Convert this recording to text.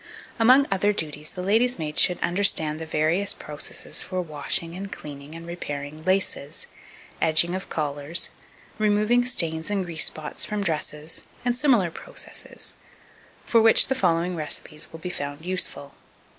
2264. Among other duties, the lady's maid should understand the various processes for washing, and cleaning, and repairing laces; edging of collars; removing stains and grease spots from dresses, and similar processes, for which the following recipes will be found very useful.